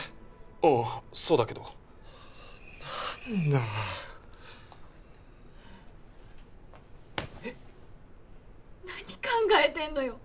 ああそうだけど何だえっ何考えてんのよ